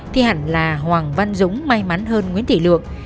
thì hẳn là hoàng văn dũng may mắn hơn nguyễn thị lượng